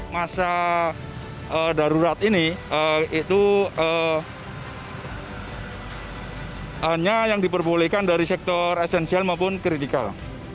masa darurat ini itu hanya yang diperbolehkan dari sektor esensial maupun kritikal